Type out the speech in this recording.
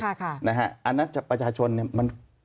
อันนั้นจากประชาชนเนี่ยมัน